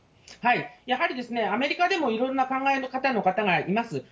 やはりアメリカでも、いろんな考え方の方がいます。